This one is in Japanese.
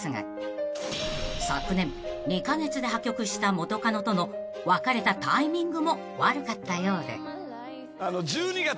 ［昨年２カ月で破局した元カノとの別れたタイミングも悪かったようで］